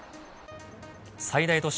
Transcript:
最大都市